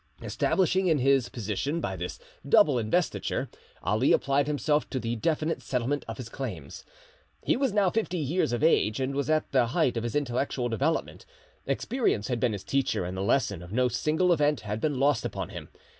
Established in his position by this double investiture, Ali applied himself to the definite settlement of his claims. He was now fifty years of age, and was at the height of his intellectual development: experience had been his teacher, and the lesson of no single event had been lost upon him.